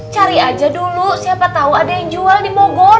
cari aja dulu siapa tahu ada yang jual di bogor